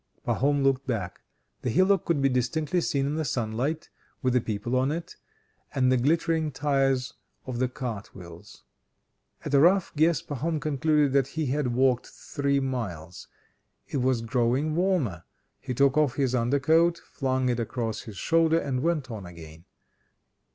Pahom looked back. The hillock could be distinctly seen in the sunlight, with the people on it, and the glittering tires of the cartwheels. At a rough guess Pahom concluded that he had walked three miles. It was growing warmer; he took off his under coat, flung it across his shoulder, and went on again.